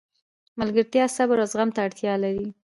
ملګرتیا صبر او زغم ته اړتیا لري.